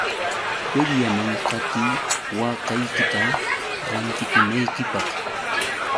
Feriaman qatiy waakaykita rantikunaykipaq.